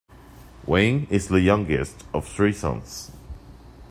Wayne is the youngest of three sons.